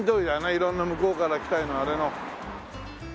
色んな向こうから来たようなあれの。